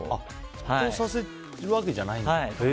沸騰させるわけじゃないんだ。